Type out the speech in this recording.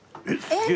えっ！